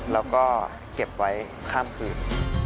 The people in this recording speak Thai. แล้วก็เก็บไว้ข้ามคืน